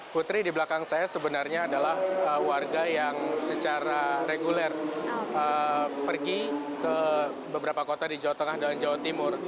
putri di belakang saya sebenarnya adalah warga yang secara reguler pergi ke beberapa kota di jawa tengah dan jawa timur